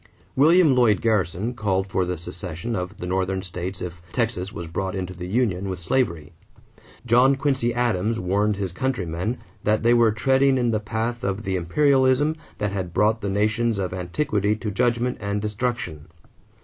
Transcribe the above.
William Lloyd Garrison called for the secession of the Northern states if Texas was brought into the union with slavery. John Quincy Adams warned his countrymen that they were treading in the path of the imperialism that had brought the nations of antiquity to judgment and destruction.